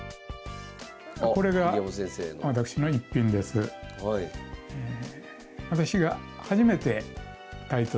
これが私の逸品です。え。